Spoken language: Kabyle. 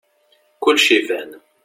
Kulec iban.